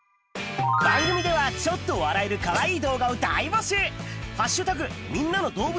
番組ではちょっと笑えるかわいい動画を大募集！